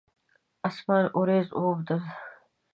اسمان اوریځ واوبدل